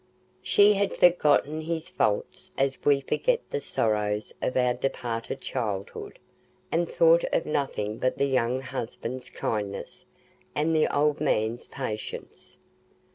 She had forgotten his faults as we forget the sorrows of our departed childhood, and thought of nothing but the young husband's kindness and the old man's patience.